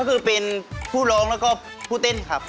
ก็คือเป็นผู้ร้องแล้วก็ผู้เต้นครับ